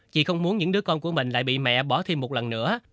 chị không muốn những đứa con của mình lại bị mẹ bỏ thêm một lần nữa